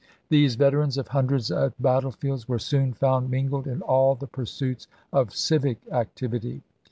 These veterans of hundreds of bat tlefields were soon found mingled in all the pursuits of civic activity.